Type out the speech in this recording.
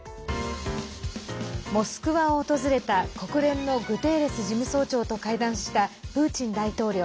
モスクワを訪れた国連のグテーレス事務総長と会談したプーチン大統領。